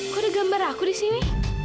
kok ada gambar aku di sini